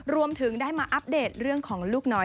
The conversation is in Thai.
รวมถึงได้มาอัปเดตเรื่องของลูกน้อย